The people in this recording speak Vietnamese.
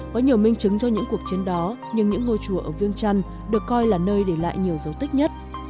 có nhiều minh chứng cho những cuộc chiến đó nhưng những ngôi chùa ở viêng trăn được coi là nơi để lại nhiều dấu tích nhất